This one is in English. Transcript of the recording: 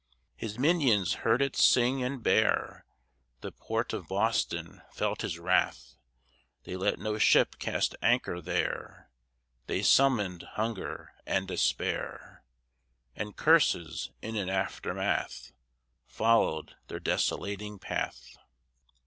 His minions heard it sing, and bare The port of Boston felt his wrath; They let no ship cast anchor there, They summoned Hunger and Despair, And curses in an aftermath Followed their desolating path.